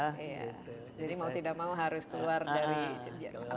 jadi mau tidak mau harus keluar dari